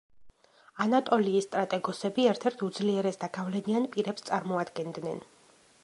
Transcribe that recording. ანატოლიის სტრატეგოსები ერთ-ერთ უძლიერეს და გავლენიან პირებს წარმოადგენდნენ.